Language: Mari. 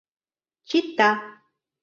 Чита.